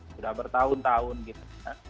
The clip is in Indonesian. sudah bertahun tahun gitu